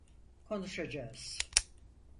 Konuşacağız.